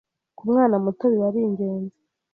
ku mwana muto biba ari ingenzi